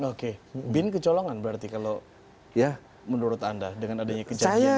oke bin kecolongan berarti kalau menurut anda dengan adanya kejadian ini